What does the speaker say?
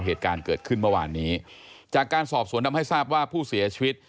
เหตุการณ์เกิดขึ้นเมื่อวานนี้จากการสอบสวนทำให้ทราบว่าผู้เสียชีวิต